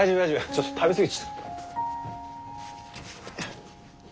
ちょっと食べ過ぎちゃった。